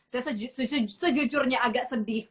saya sejujurnya agak sedih